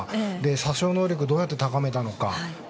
殺傷能力をどうやって高めたのか。